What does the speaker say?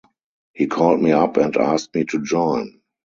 He called me up and asked me to join.